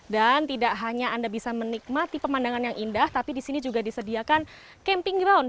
dan tidak hanya anda bisa menikmati pemandangan yang indah tapi di sini juga disediakan camping ground